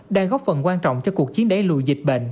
đang góp phần quan trọng cho cuộc chiến đẩy lùi dịch bệnh